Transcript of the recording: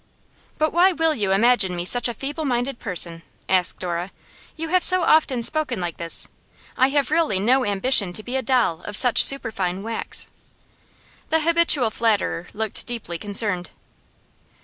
'But why will you imagine me such a feeble minded person?' asked Dora. 'You have so often spoken like this. I have really no ambition to be a doll of such superfine wax.' The habitual flatterer looked deeply concerned.